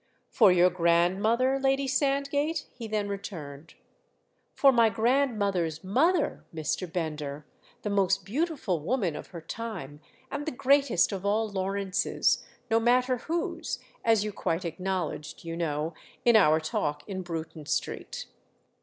"For your grandmother, Lady Sandgate?" he then returned. "For my grandmother's mother, Mr. Bender—the most beautiful woman of her time and the greatest of all Lawrences, no matter whose; as you quite acknowledged, you know, in our talk in Bruton Street."